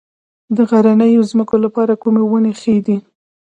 د غرنیو ځمکو لپاره کومې ونې ښې دي؟